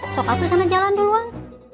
sokak tuh sana jalan duluan